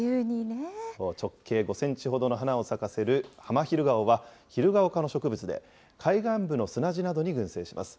そう、直径５センチほどの花を咲かせるハマヒルガオは、ヒルガオ科の植物で、海岸部の砂地などに群生します。